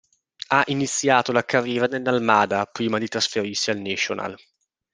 Ha iniziato la carriera nell'Almada, prima di trasferirsi al Nacional.